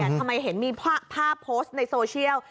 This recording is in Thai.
ทำไมเห็นมีภาพโพสต์ในโซเชียล